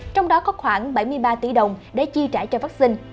trong đó có khoảng bảy mươi ba tỷ đồng để chi trả cho vắc xin